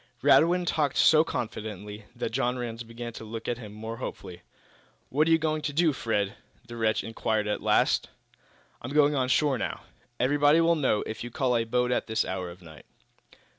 Radwin talked so confidently that John Rhinds began to look at him more hopefully. "What are you going to do, Fred?" the wretch inquired, at last. "I'm going on shore now." "Everybody will know, if you call a boat at this hour of the night."